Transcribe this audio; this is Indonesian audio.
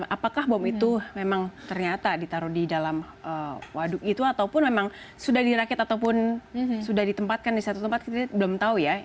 apakah bom itu memang ternyata ditaruh di dalam waduk itu ataupun memang sudah dirakit ataupun sudah ditempatkan di satu tempat kita belum tahu ya